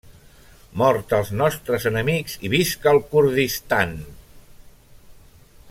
Mort als nostres enemics, i visca el Kurdistan!